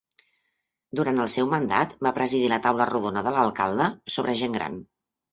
Durant el seu mandat, va presidir la Taula Rodona de l'Alcalde sobre Gent Gran.